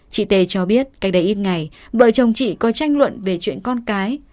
chị t cho biết cách đây ít ngày vợ chồng chị có tranh luận về chuyện con cái